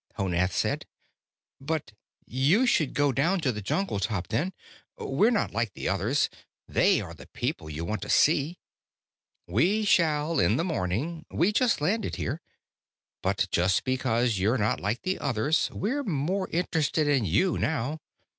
Honath said. "But you should go down to the jungle top, then. We're not like the others; they are the people you want to see." "We shall, in the morning. We just landed here. But, just because you're not like the others, we're more interested in you now.